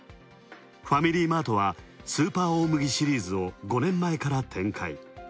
ファミリーマートは、スーパー大麦シリーズを５年前から展開。